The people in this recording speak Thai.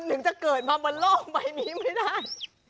ถึงจะเกิดมาบนโลกใบนี้ไม่ได้